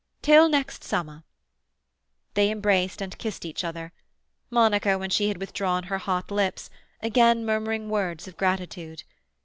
"Till next summer." They embraced, and kissed each other, Monica, when she had withdrawn her hot lips, again murmuring words of gratitude.